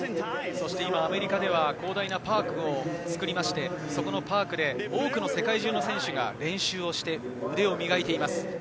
アメリカでは広大なパークを作って、そのパークで多くの世界中の選手が練習して腕を磨いています。